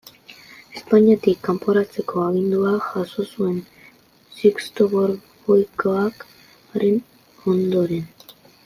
Espainiatik kanporatzeko agindua jaso zuen Sixto Borboikoak haren ondoren.